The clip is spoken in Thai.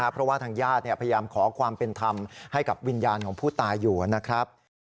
เพราะว่าทางญาติพยายามขอความเป็นธรรมให้กับวิญญาณของผู้ตายอยู่นะครับ